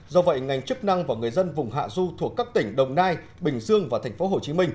do vậy ngành chức năng và người dân vùng hạ du thuộc các tỉnh đồng nai bình dương và tp hcm